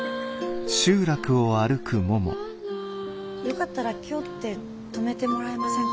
よかったら今日って泊めてもらえませんか？